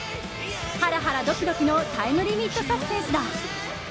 ハラハラドキドキのタイムリミットサスペンスだ。